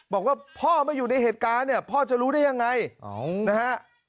บอกว่าพ่อไม่อยู่ในเหตุการณ์เนี่ยพ่อจะรู้ได้ยังไงนะฮะ